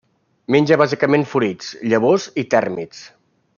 Menja bàsicament fruits, llavors i tèrmits.